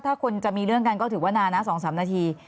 ถ้าคนจะมีเรื่องกันก็ถือว่านานนะ๒๓นาที